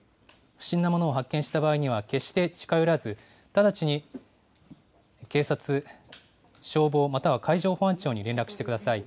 不審なものを発見した場合には、決して近寄らず、直ちに警察、消防、または海上保安庁に連絡してください。